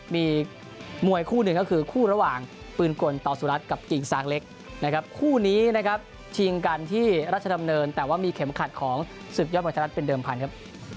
มีมวยคู่หนึ่งก็คือคู่ระหว่างปืนกลต่อสุรัตน์กับกิ่งซางเล็กนะครับคู่นี้นะครับชิงกันที่รัชดำเนินแต่ว่ามีเข็มขัดของศึกยอดมวยไทยรัฐเป็นเดิมพันธุ์ครับ